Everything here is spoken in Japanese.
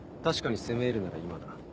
確かに攻め入るなら今だ